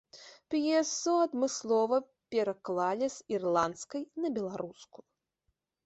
П'есу адмыслова пераклалі з ірландскай на беларускую.